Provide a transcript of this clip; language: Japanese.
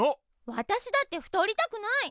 わたしだって太りたくない。